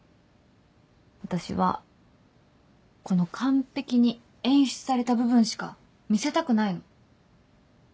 私はこの完璧に演出された部分しか見せたくないの。